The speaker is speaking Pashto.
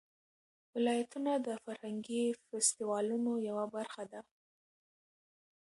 ولایتونه د فرهنګي فستیوالونو یوه برخه ده.